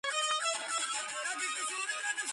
მდებარეობს ოჩხომელის ქუჩის დასაწყისში.